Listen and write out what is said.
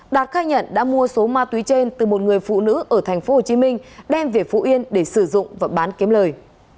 đạt khai nhận đã mua số ma túy trên từ một người phụ nữ ở tp hcm đem về phú yên để sử dụng và bán kiếm lời